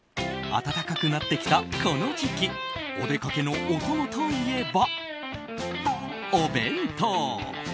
暖かくなってきたこの時期お出かけのお供といえば、お弁当。